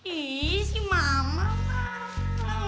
ih si mama mah